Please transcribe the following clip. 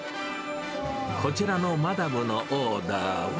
こちらのマダムのオーダーは？